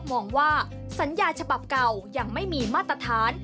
มองว่าสัญญาฉบับเก่ายังไม่มีมาตรฐาน